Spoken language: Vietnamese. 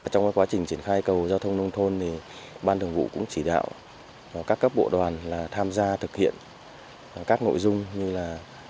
trong quá trình triển khai cầu giao thông nông thôn ban thường vụ cũng chỉ đạo các cấp bộ đoàn tham gia thực hiện các nội dung như là